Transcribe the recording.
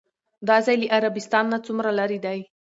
دا ځای له عربستان نه څومره لرې دی؟